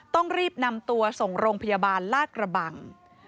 ต้องรีบนำตัวส่งโรงพยาบาลลาดกระบัง